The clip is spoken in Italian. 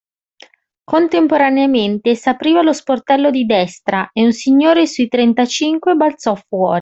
Contemporaneamente s'apriva lo sportello di destra e un signore su trentacinque balzò fuori.